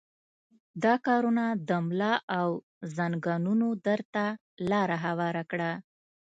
دا کارونه د ملا او زنګنونو درد ته لاره هواره کړه.